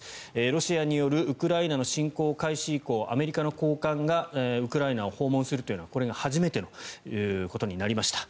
ロシアによるウクライナの侵攻開始以降アメリカの高官がウクライナを訪問するというのはこれが初めてということになりました。